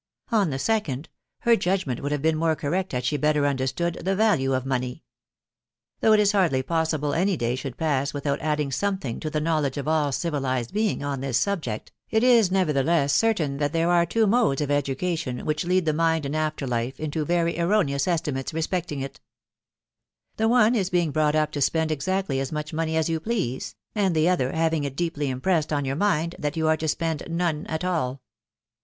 Of the second, her judgment would have been more correct .had she better understood the value of money. Though it is hardly possible any day should pass without adding some thing to the knowledge of all civilised beings on this subject, it is nevertheless certain that there are two modes of education which lead the mind in after life into very erroneous estimates respecting it The one is being brought up to spend exactly as much money as you please, and the other having it deeply impressed on your mind that you are to spend none at all.